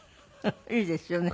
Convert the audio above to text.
いいですよね。